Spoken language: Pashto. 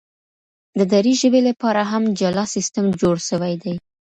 د دري ژبي لپاره هم جلا سیستم جوړ سوی دی.